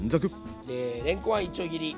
れんこんはいちょう切り。